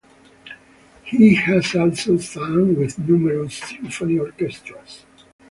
He has also sung with numerous symphony orchestras.